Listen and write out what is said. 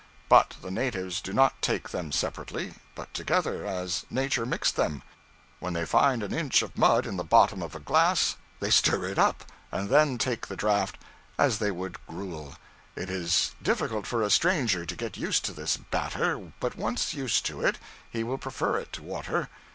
But the natives do not take them separately, but together, as nature mixed them. When they find an inch of mud in the bottom of a glass, they stir it up, and then take the draught as they would gruel. It is difficult for a stranger to get used to this batter, but once used to it he will prefer it to water.